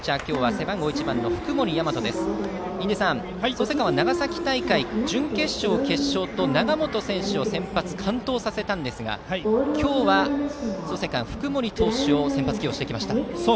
印出さん、創成館は長崎大会の準決勝、決勝と永本選手を先発完投させたんですが今日の創成館は福盛投手を先発起用してきました。